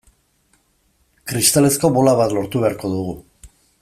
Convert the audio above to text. Kristalezko bola bat lortu beharko dugu.